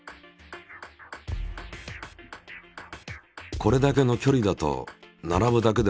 これだけの距離だと並ぶだけでも３０分。